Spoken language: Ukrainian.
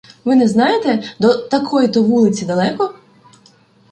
— Ви не знаєте, до такої-то вулиці далеко?